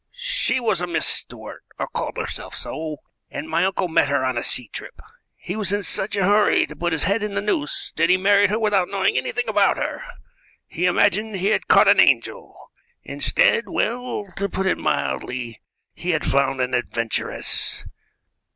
She was a Miss Stuart, or called herself so, and my uncle met her on a sea trip. He was in such a hurry to put his head in the noose that he married her without knowing anything about her. He imagined he had caught an angel; instead well, to put it mildly, he had found an adventuress.